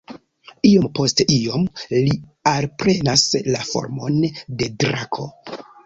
Iom post iom li alprenas la formon de drako.